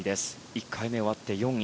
１回目終わって４位。